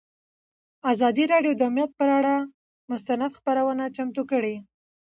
ازادي راډیو د امنیت پر اړه مستند خپرونه چمتو کړې.